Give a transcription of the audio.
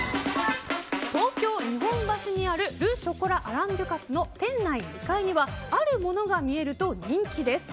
東京・日本橋にあるル・ショコラ・アラン・デュカスの店内２階にはあるものが見えると人気です。